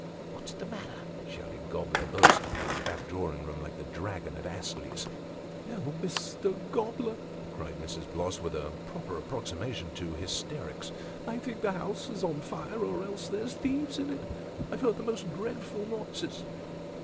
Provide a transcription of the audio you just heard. " What's the matter ?" shouted Gobler, bursting out of the back drawing room, like the dragon at Astley's. " Oh, Mr. Gobler !" cried Mrs. Bloss, with a proper approximation to hysterics ;" I think the house is on fire, or else there's thieves in it. I have heard the most dreadful noises